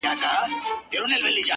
زما د ژوند ددې پاچا پر كلي شپه تېروم.!